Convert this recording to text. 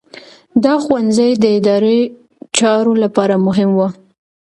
دا ښوونځي د اداري چارو لپاره مهم وو.